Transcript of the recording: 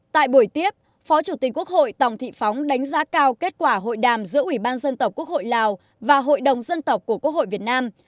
tại buổi tiếp phó chủ tịch quốc hội tòng thị phóng đánh giá cao kết quả hội đàm giữa ủy ban dân tộc quốc hội lào và hội đồng dân tộc của quốc hội việt nam